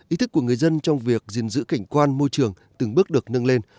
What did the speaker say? ý thức của người dân trong việc gìn giữ cảnh quan môi trường từng bước được nâng lên